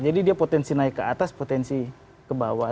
jadi dia potensi naik ke atas potensi ke bawah